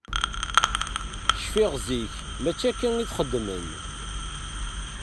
Cfiɣ zik mačči akka i t-xeddmen.